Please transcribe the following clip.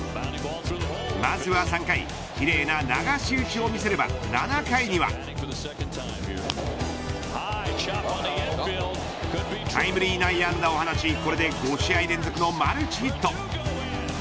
まずは３回奇麗な流し打ちを見せれば７回にはタイムリー内野安打を放ちこれで５試合連続のマルチヒット。